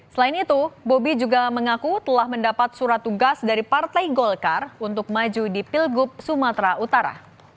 selain itu bobi juga mengaku telah mendapat surat tugas dari partai golkar untuk maju di pilgub sumatera utara